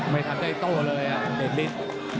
ไม่ทันได้โต๊ะเลยเน็บลิส